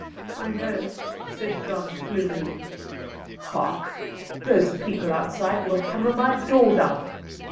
"I know," said John, gloomily. "Hark! those people outside will hammer my door down!